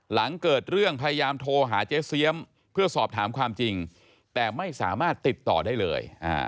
หลังเกิดเรื่องพยายามโทรหาเจ๊เสียมเพื่อสอบถามความจริงแต่ไม่สามารถติดต่อได้เลย